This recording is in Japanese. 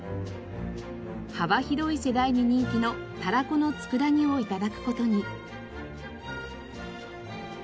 幅広い世代に人気のたらこの佃煮を頂く事に。